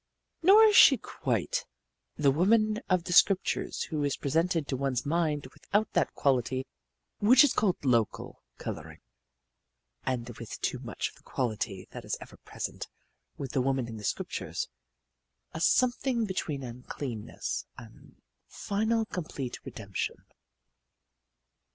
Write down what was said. Nor is she quite the woman of the scriptures who is presented to one's mind without that quality which is called local coloring, and with too much of the quality that is ever present with the women in the scriptures a something between uncleanness and final complete redemption.